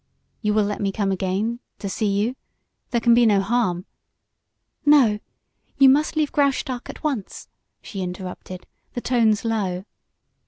You will let me come again to see you? There can be no harm " "No! You must leave Graustark at once!" she interrupted, the tones low.